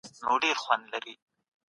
د ازادې مطالعې اموخت به له رنګینیو پیل سي.